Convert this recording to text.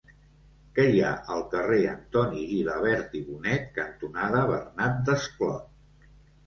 Què hi ha al carrer Antoni Gilabert i Bonet cantonada Bernat Desclot?